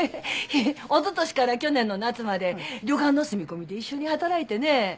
おととしから去年の夏まで旅館の住み込みで一緒に働いてね。